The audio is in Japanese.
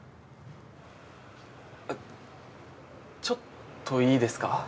ちょっといいですか？